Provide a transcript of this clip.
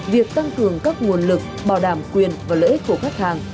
việc tăng cường các nguồn lực bảo đảm quyền và lợi ích của khách hàng